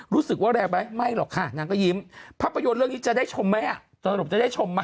รู้สึกว่าแรงไหมไม่หรอกค่ะนางก็ยิ้มภาพยนตร์เรื่องนี้จะได้ชมไหมอ่ะสรุปจะได้ชมไหม